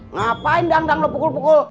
ngapain dang dang lo pukul pukul